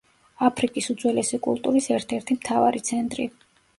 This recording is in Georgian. აფრიკის უძველესი კულტურის ერთ-ერთი მთავარი ცენტრი.